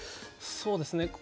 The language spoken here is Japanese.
そうですね